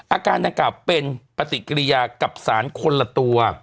อาการดังกล่าวเป็นปฏิกิริยากับสารคนละตัว